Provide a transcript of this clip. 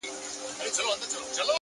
خاموش کار تر لوړ غږ قوي وي’